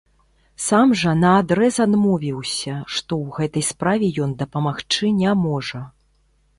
Сам жа наадрэз адмовіўся, што ў гэтай справе ён дапамагчы не можа.